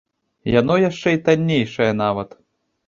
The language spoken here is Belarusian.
Яно яшчэ і таннейшае нават.